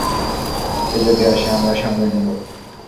সে যদি আসে, আমরা সামলে নিব।